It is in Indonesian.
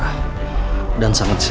ya ampun raja